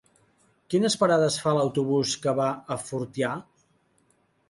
Quines parades fa l'autobús que va a Fortià?